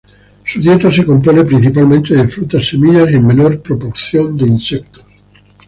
Su dieta se compone principalmente de frutas, semillas y en menor proporción de insectos.